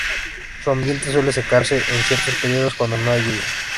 Su ambiente suele secarse en ciertos periodos cuando no hay lluvias.